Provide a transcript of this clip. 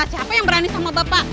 siapa yang berani sama bapak